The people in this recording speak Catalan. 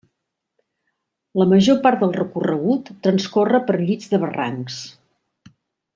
La major part del recorregut transcorre per llits de barrancs.